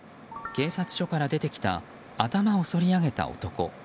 警察署から出てきた頭をそり上げた男。